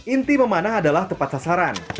inti memanah adalah tepat sasaran